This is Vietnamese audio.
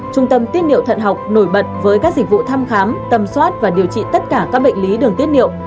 trung tâm tiết niệm thận học nổi bật với các dịch vụ thăm khám tầm soát và điều trị tất cả các bệnh lý đường tiết niệu